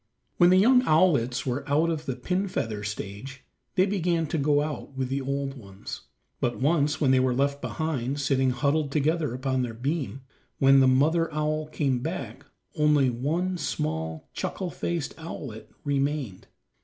When the young owlets were out of the pin feather stage they began to go out with the old ones. But once when they were left behind, sitting huddled together upon their beam, when the mother owl came back only one small, chuckle faced owlet remained.